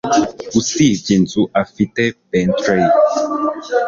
Usibye inzu, afite Bentley.